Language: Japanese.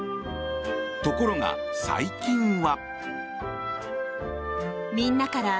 ところが、最近は。